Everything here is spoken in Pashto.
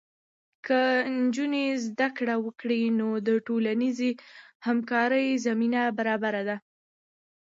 که نجونې زده کړه وکړي، نو د ټولنیزې همکارۍ زمینه برابره ده.